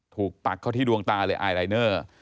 ปักเข้าที่ดวงตาเลยไอลายเนอร์